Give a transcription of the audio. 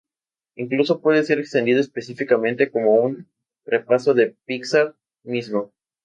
Incluso puede ser entendido, específicamente, como un repaso de Pixar mismo".